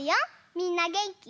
みんなげんき？